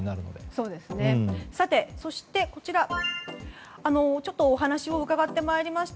そして、こちらちょっとお話を伺ってまいりました。